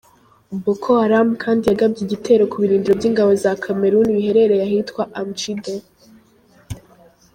Boko Haram kandi yagabye igitero ku birindiro by’ingabo za Kameruni biherereye ahitwa Amchide.